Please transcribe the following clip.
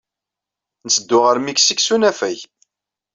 Nettedu ɣer Miksik s usafag.